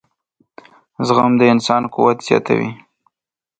• زغم د انسان قوت زیاتوي.